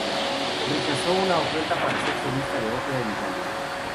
Rechazó una oferta para ser solista de ópera en Italia.